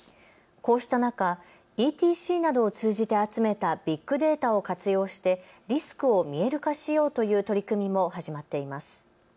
こうした中、ＥＴＣなどを通じて集めたビッグデータを活用してリスクを見える化しようという取り組みも始まっています。